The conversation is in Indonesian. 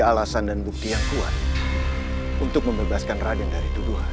alasan dan bukti yang kuat untuk membebaskan raden dari tuduhan